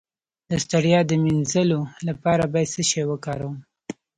د ستړیا د مینځلو لپاره باید څه شی وکاروم؟